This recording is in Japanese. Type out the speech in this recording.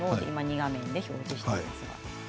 ２画面で表示しています。